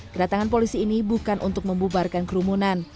kedatangan polisi ini bukan untuk membubarkan kerumunan